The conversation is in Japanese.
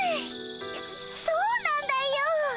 そうなんだよ。